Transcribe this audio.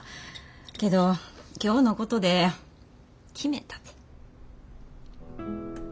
けど今日のことで決めたて。